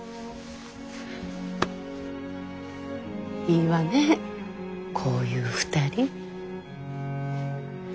いいわねこういう２人。